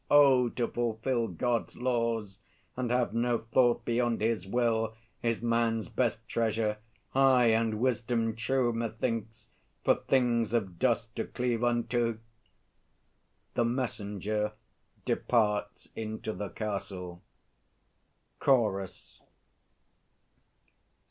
Oh, to fulfil God's laws, and have no thought beyond His will, Is man's best treasure. Aye, and wisdom true, Methinks, for things of dust to cleave unto! [The MESSENGER departs into the Castle. CHORUS.